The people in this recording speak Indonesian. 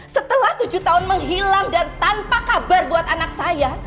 setelah tujuh tahun menghilang dan tanpa kabar buat anak saya